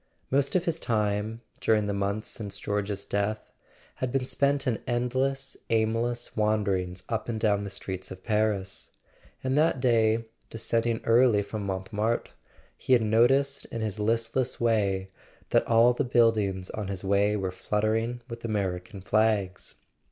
Most of his time, during the months since George's death, had been spent in endless aimless wanderings up and down the streets of Paris: and that day, descending early from Montmartre, he had noticed in his listless way that all the buildings on his way were fluttering with American flags.